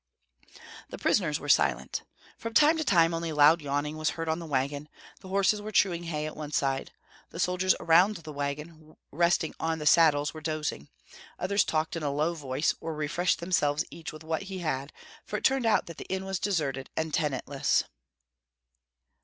The prisoners were silent. From time to time only loud yawning was heard on the wagon; the horses were chewing hay at one side. The soldiers around the wagon, resting on the saddles, were dozing; others talked in a low voice, or refreshed themselves each with what he had, for it turned out that the inn was deserted and tenantless.